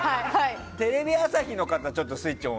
テレビ朝日の方スイッチオン